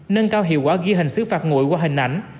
nâng cao hiệu quả ghi hình xứ phạt ngụy qua hình ảnh